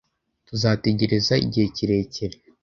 Tuzategereza igihe kirekire